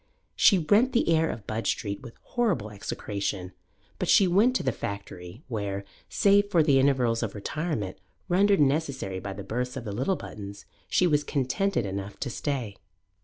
She rent the air of Budge Street with horrible execration; but she went to the factory, where, save for the intervals of retirement rendered necessary by the births of the little Buttons, she was contented enough to stay.